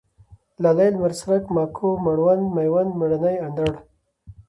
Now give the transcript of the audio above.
لالی ، لمرڅرک ، ماکو ، مړوند ، مېوند ، مېړنی، اندړ